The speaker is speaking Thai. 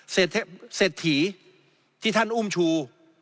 เศรษฐีที่ท่านอุ้มชู